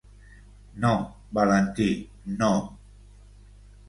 No, Valentí, no!